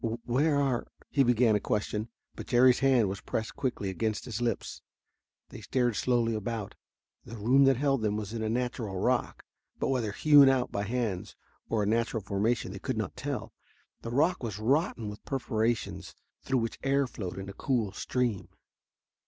"Where are " he began a question, but Jerry's hand was pressed quickly against his lips. They stared slowly about. The room that held them was in the natural rock, but whether hewn out by hands or a natural formation they could not tell. The rock was rotten with perforations, through which air flowed in a cool stream.